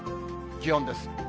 気温です。